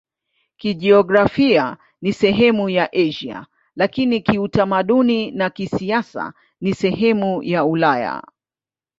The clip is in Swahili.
Kijiografia ni sehemu ya Asia, lakini kiutamaduni na kisiasa ni sehemu ya Ulaya.